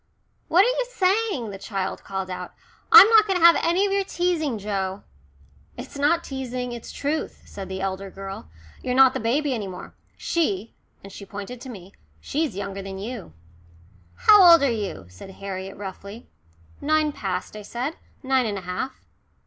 "What are you saying?" the child called out. "I'm not going to have any of your teasing, Joe." "It's not teasing it's truth," said the elder girl. "You're not the baby any more. She," and she pointed to me, "she's younger than you." "How old are you?" said Harriet roughly. "Nine past," I said. "Nine and a half."